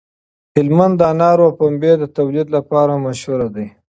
هلمند د انارو او پنبې د تولید لپاره مشهور دی.